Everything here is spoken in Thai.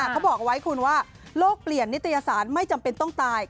เขาบอกเอาไว้คุณว่าโลกเปลี่ยนนิตยสารไม่จำเป็นต้องตาย